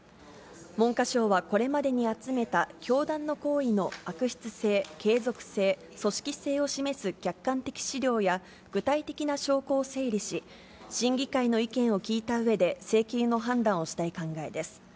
文科省はこれまでに集めた、教団の行為の悪質性、継続性、組織性を示す客観的資料や具体的な証拠を整理し、審議会の意見を聞いたうえで、請求の判断をしたい考えです。